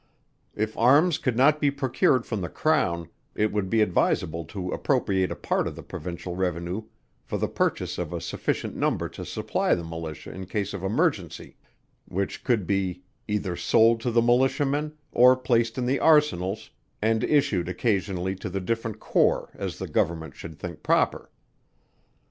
If arms could not be procured from the Crown, it would be advisable to appropriate a part of the Provincial revenue for the purchase of a sufficient number to supply the Militia in case of emergency; which could be either sold to the Militiamen, or placed in the Arsenals, and issued occasionally to the different corps as the Government should think proper.